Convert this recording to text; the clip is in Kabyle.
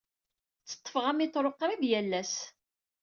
Tteḍḍfeɣ amiṭru qrib yal ass.